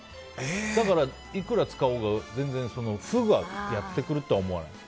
だからいくら使おうが全然負がやってくるとは思わない。